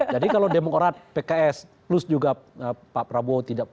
jadi kalau demokrat pks plus juga pak prabowo tidak